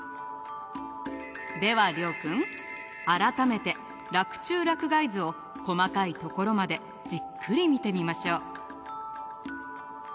では諒君改めて「洛中洛外図」を細かいところまでじっくり見てみましょう。